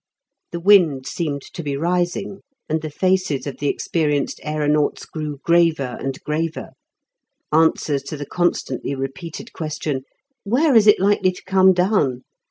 The wind seemed to be rising and the faces of the experienced aeronauts grew graver and graver, answers to the constantly repeated question, "Where is it likely to come down?"